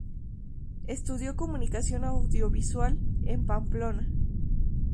Estudió Comunicación Audiovisual en Pamplona.